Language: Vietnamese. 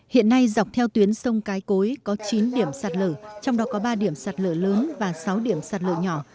hiện nay dọc theo tuyến sông cái cối có chín điểm sạt lở trong đó có ba điểm sạt lở lớn và sáu điểm sạt lở nhỏ